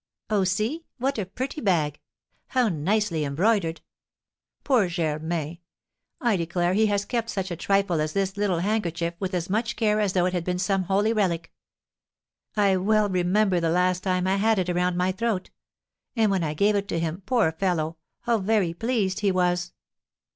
Oh, see, what a pretty bag! How nicely embroidered! Poor Germain! I declare he has kept such a trifle as this little handkerchief with as much care as though it had been some holy relic. I well remember the last time I had it around my throat; and when I gave it to him, poor fellow, how very pleased he was!"